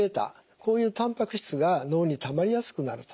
こういうたんぱく質が脳にたまりやすくなると。